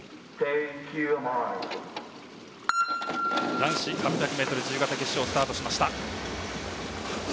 男子８００ｍ自由形決勝スタートしました。